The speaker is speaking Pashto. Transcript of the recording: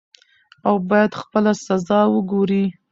او بايد خپله جزا وګوري .